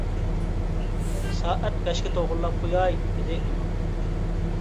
سائەت بەشكە توغرىلاپ قوياي، -دېدى ئىمام.